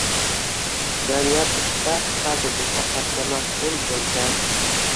jamiyat ichida tartibni saqlashga mas’ul bo‘lgan